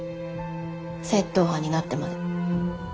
窃盗犯になってまで。